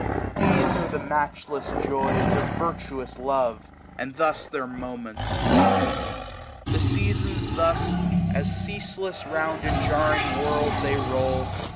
These are the matchless joys of virtuous love ; And thus their^monjents fly. The Seasons thus^ SPRING. 45 As ceaseless round a jarring world they roll.